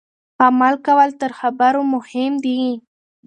عمل کول تر خبرو مهم دي.